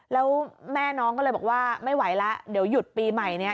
แล้วแม่น้องก็เลยบอกว่าไม่ไหวแล้วเดี๋ยวหยุดปีใหม่เนี่ย